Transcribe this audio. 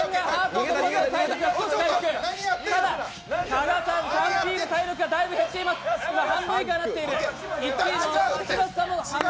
加賀さん、３Ｐの体力がだいぶ減っています、半分以下になっている。